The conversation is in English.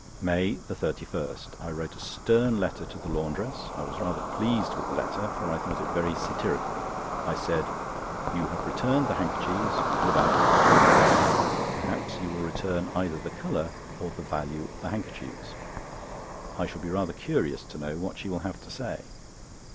MAY 31.—I wrote a stern letter to the laundress. I was rather pleased with the letter, for I thought it very satirical. I said: "You have returned the handkerchiefs without the colour. Perhaps you will return either the colour or the value of the handkerchiefs." I shall be rather curious to know what she will have to say.